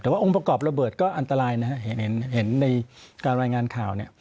แต่ว่าองค์ประกอบระเบิดก็อันตรายนะฮะเห็นในการรายงานข่าวเนี่ย